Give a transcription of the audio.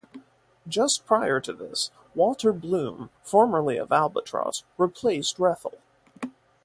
Just prior to this, Walter Blume, formerly of Albatros, replaced Rethel.